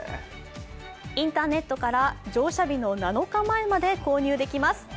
インターネットから乗車日の７日前まで購入できます。